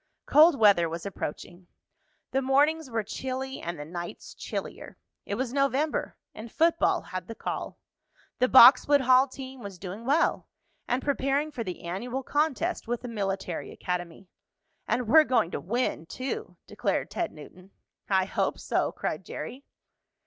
Cold weather was approaching. The mornings were chilly and the nights chillier. It was November, and football had the call. The Boxwood Hall team was doing well, and preparing for the annual contest with the military academy. "And we're going to win, too!" declared Ted Newton. "I hope so," cried Jerry.